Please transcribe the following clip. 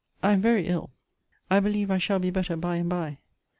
I am very ill. I believe I shall be better by and by.